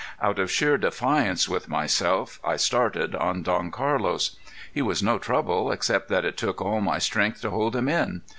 Out of sheer defiance with myself I started on Don Carlos. He was no trouble, except that it took all my strength to hold him in.